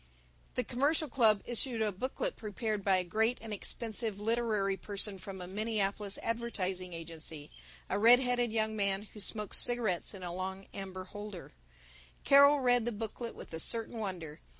The Commercial Club issued a booklet prepared by a great and expensive literary person from a Minneapolis advertising agency, a red headed young man who smoked cigarettes in a long amber holder. Carol read the booklet with a certain wonder.